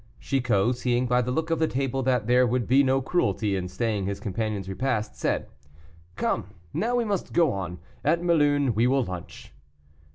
Chicot, seeing by the look of the table that there would be no cruelty in staying his companion's repast, said, "Come, now we must go on; at Mélun we will lunch."